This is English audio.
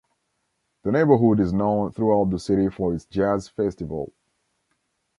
The neighborhood is known throughout the city for its jazz festival.